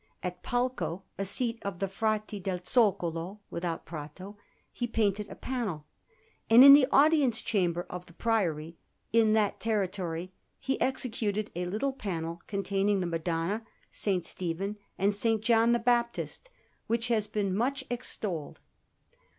At Palco, a seat of the Frati del Zoccolo, without Prato, he painted a panel; and in the Audience Chamber of the Priori in that territory he executed a little panel containing the Madonna, S. Stephen, and S. John the Baptist, which has been much extolled.